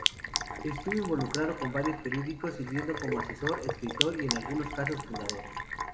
Estuvo involucrado con varios periódicos, sirviendo como asesor, escritor y, en algunos casos, fundador.